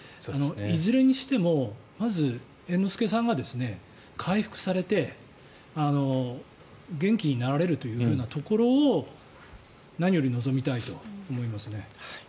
いずれにしてもまず猿之助さんが回復されて元気になられるというふうなところを何より望みたいなと思いますね。